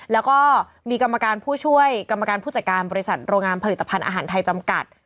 แล้วก็มีกรรมการผู้ช่วยกรรมการผู้จัดการบริษัทโรงงานผลิตภัณฑ์อาหารไทยจำกัด